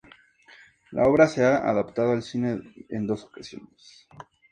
La obra se ha adaptado al cine en dos ocasiones.